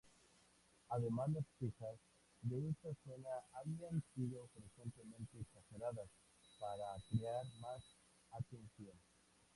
Además, las quejas de esa zona habían sido frecuentemente exageradas para crear más atención.